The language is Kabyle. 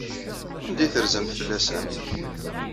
Anda ay terzamt fell-asent?